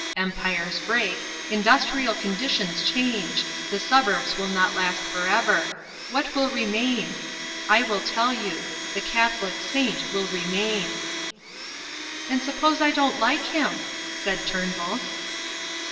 Empires break; industrial conditions change; the suburbs will not last for ever. What will remain? I will tell you. The Catholic Saint will remain." "And suppose I don't like him?" said Turnbull.